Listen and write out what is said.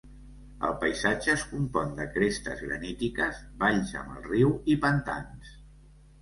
El paisatge es compon de crestes granítiques, valls amb el riu i pantans.